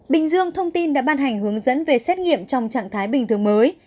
bình dương thông tin đã ban hành hướng dẫn về xét nghiệm trong trạng thái bình thường mới